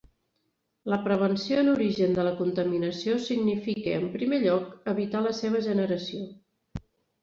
La prevenció en origen de la contaminació significa, en primer lloc, evitar la seva generació.